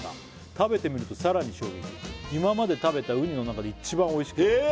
「食べてみるとさらに衝撃」「今まで食べたウニの中で一番おいしく」